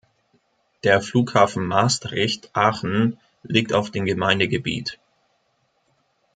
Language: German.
Der Flughafen Maastricht Aachen liegt auf dem Gemeindegebiet.